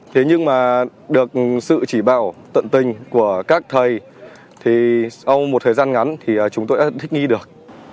thế nhưng mà được sự chỉ bảo tận tình của các thầy thì sau một thời gian ngắn thì chúng tôi đã thích nghi được